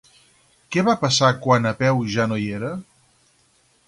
Què va passar quan Epeu ja no hi era?